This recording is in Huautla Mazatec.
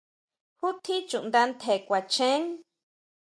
¿Jutjín chuʼnda ntje kuachen?